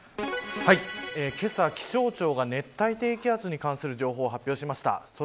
けさ気象庁が熱帯低気圧に関する情報を発表しました。